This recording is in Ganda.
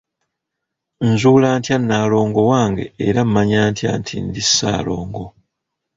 Nzuula ntya Nnaalongo wange era mmanya ntya nti ndi Ssaalongo?